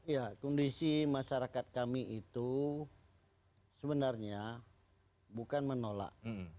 ya kondisi masyarakat kami itu sebenarnya bukan menolak